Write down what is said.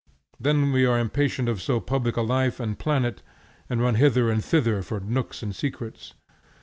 Then we are impatient of so public a life and planet, and run hither and thither for nooks and secrets.